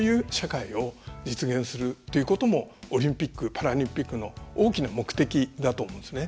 実現するということもオリンピック・パラリンピックの大きな目的だと思うんですね。